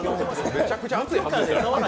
めちゃくちゃ熱いはず。